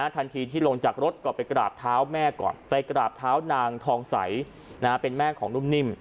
ทันทีที่ลงจากรถก็ไปกราบเท้าแม่ก่อนไปกราบเท้านางทองใสเป็นแม่ของนุ่มนิ่ม